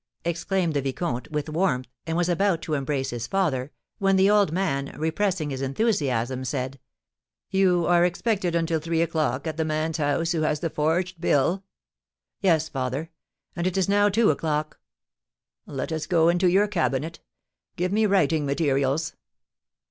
exclaimed the vicomte, with warmth, and was about to embrace his father, when the old man, repressing his enthusiasm, said: "You are expected until three o'clock at the man's house who has the forged bill?" "Yes, father, and it is now two o'clock." "Let us go into your cabinet; give me writing materials."